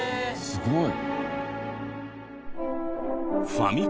すごい！